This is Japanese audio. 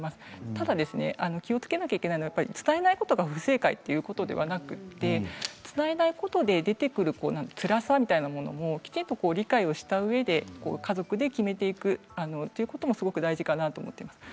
ただ気をつけなきゃいけなければいけないのは伝えないことが不正解ではなくて伝えたことで出てくるつらさというものを、きちんと理解したうえで家族で決めていくというのもすごく大事かなと思っています。